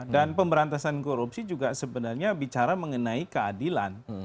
dan pemberantasan korupsi juga sebenarnya bicara mengenai keadilan